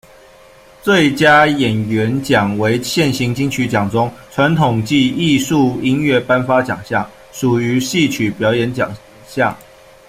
最佳演员奖为现行金曲奖中，传统暨艺术音乐颁发奖项，属于戏曲表演类奖项。